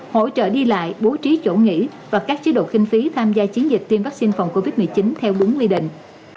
hỗ trợ đi lại bố trí chỗ nghỉ và các chế độ kinh phí tham gia chiến dịch tiêm vắc xin phòng covid một mươi chín theo bốn lý định